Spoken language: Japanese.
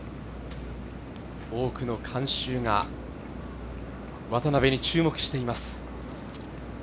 多くの観衆が、渡邉に注目しています。